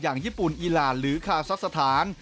อย่างญี่ปุ่นอีรานหรือคาซักสถาน